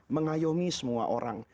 mengayomi semua orang